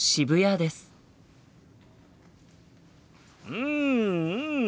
うんうん！